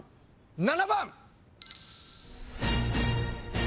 ７番。